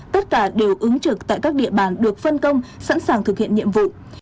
tất cả đều ứng trực tại các địa bàn được phân công sẵn sàng thực hiện nhiệm vụ